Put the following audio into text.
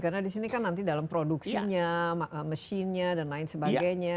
karena disini kan nanti dalam produksinya mesinnya dan lain sebagainya